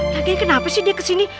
kab atlanta kenapa sih dia kesini